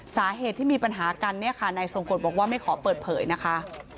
สาเหตุที่มีปัญหากันในสมกรณ์บอกว่าไม่ขอเปิดเผยนะคะ